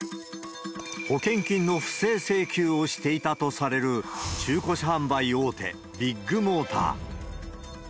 保険金の不正請求をしていたとされる、中古車販売大手、ビッグモーター。